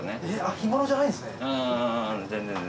干物じゃないんですね。